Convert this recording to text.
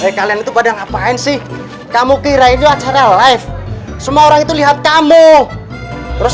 hekal yang itu pada ngapain sih kamu kirain acara live semua orang itu lihat kamu terus